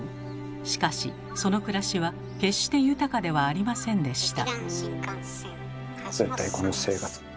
しかしその暮らしは決して豊かではありませんでした。